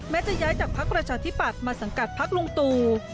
แม้จะย้ายจากพรรคประชาธิบัติมาสังกัดพรรคลุงตู